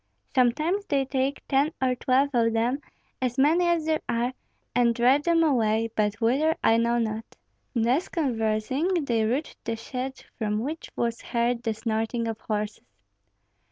"Sometimes they take ten or twelve of them, as many as there are, and drive them away, but whither I know not." Thus conversing, they reached the shed, from which was heard the snorting of horses.